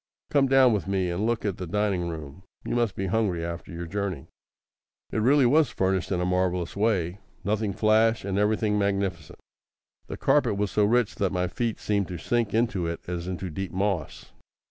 Come down with me and look at the dining room. You must be hungry after your journey." It really was furnished in a marvellous way nothing flash, and everything magnificent. The carpet was so rich that my feet seemed to sink into it as into deep moss.